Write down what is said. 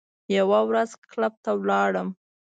یوه ورځ کلب ته ولاړم.